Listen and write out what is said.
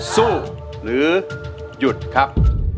สู้หรือหยุดครับ